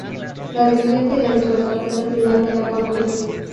La división sería disuelta tras el final de la contienda.